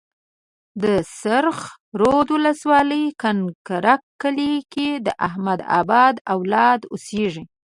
د سرخ رود ولسوالۍ کنکرک کلي کې د احمدآبا اولاده اوسيږي.